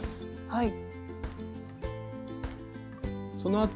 はい。